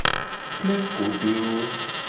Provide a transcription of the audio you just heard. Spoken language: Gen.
Plengugodewo.